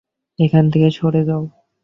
এখান থেকে সরে যাও!